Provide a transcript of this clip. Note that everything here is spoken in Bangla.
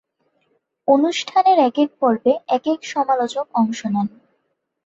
অনুষ্ঠানের একেক পর্বে একেক সমালোচক অংশ নেন।